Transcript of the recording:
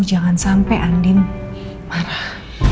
jangan sampai andien marah